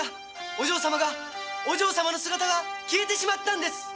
お嬢様がお嬢様の姿が消えてしまったんです。